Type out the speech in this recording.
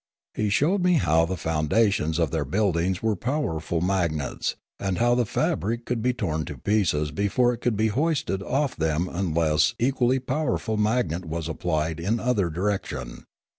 He showed me how the foundations of their buildings were powerful magnets, and how the fabric would be torn to pieces before it could be hoisted off them unless an equally powerful magnet was ap plied in another direction.